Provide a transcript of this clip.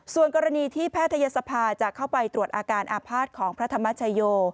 ส่วนกรณีที่แพทยศภาจะเข้าไปตรวจอาการอาภาษณ์ของพระธรรมชโย